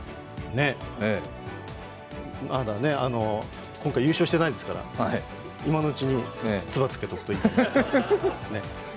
ね、まだね、今回優勝してないですから今のうちにつばつけておくといいかも。